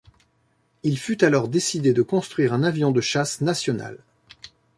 Il fut alors décidé de construire un avion de chasse national.